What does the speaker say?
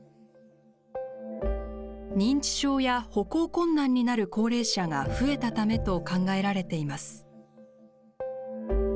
認知症や歩行困難になる高齢者が増えたためと考えられています。